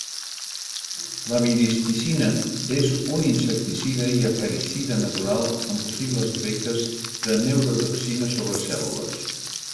La miristicina és un insecticida i acaricida natural amb possibles efectes de neurotoxina sobre cèl·lules.